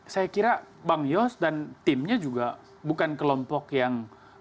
saya kira bang yos dan timnya juga bukan kelompok yang